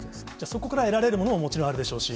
そこから得られるものも、もちろんあるでしょうし。